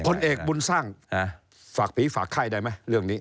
ผลเอกบุญสร้างฝากผีฝากไข้ได้ไหมเรื่องนี้